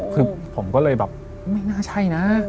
คือผมก็เลยแบบไม่น่าใช่นะ